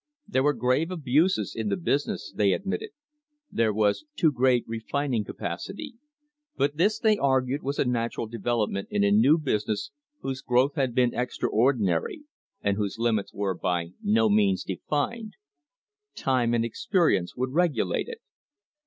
There were grave abuses in the business, they admitted; there was too great refining capacity; but this they argued was a natural development in a new business whose growth had been extraordinary and whose limits were by no means defined. Time and experience would regulate it.